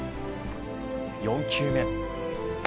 ４球目。